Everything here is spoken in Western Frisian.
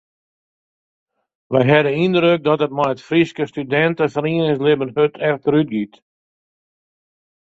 Wy ha de yndruk dat it mei it Fryske studinteferieningslibben hurd efterútgiet.